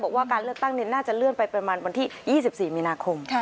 การเลือกตั้งน่าจะเลื่อนไปประมาณวันที่๒๔มีนาคม